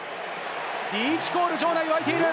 リーチコール、場内沸いている。